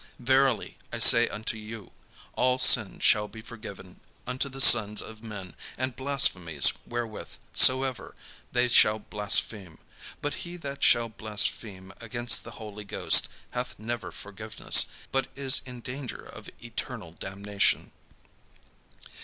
Verily I say unto you. All sins shall be forgiven unto the sons of men, and blasphemies wherewith soever they shall blaspheme: but he that shall blaspheme against the Holy Ghost hath never forgiveness, but is in danger of eternal damnation."